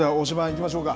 いきましょうか。